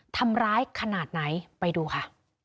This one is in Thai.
ทำร้ายขนาดไหนไปดูค่ะ